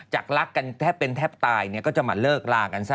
รักกันแทบเป็นแทบตายก็จะมาเลิกลากันซะ